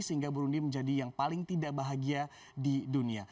sehingga burundi menjadi yang paling tidak bahagia di dunia